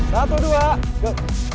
satu dua go